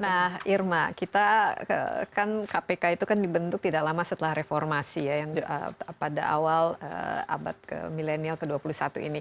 nah irma kpk itu dibentuk tidak lama setelah reformasi pada awal abad milenial ke dua puluh satu ini